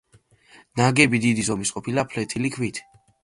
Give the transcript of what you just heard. ნაგები დიდი ზომის ყოფილა, ფლეთილი ქვით.